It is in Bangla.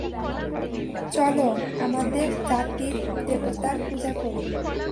চলো আমাদের জাতির দেবতার পূজা করি।